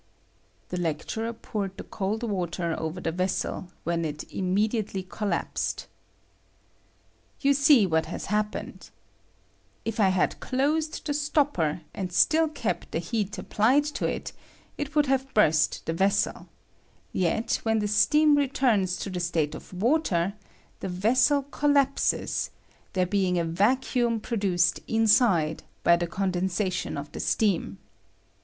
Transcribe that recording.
[The lecturer poured the cold water over the vessel, when it immediately collapsed.] You see what k If I had closed the stopper, and Btill kept the heat applied to it, it would have burst the vessel ; yet, when the steam returns to the state of water, the vessel collapses, there J RELATIVE BULKS OF STEAM AND WATER. 75 being a vacuiim produced inside by the con densation of tlie steam.